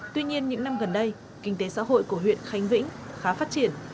tuy nhiên những năm gần đây kinh tế xã hội của huyện khánh vĩnh khá phát triển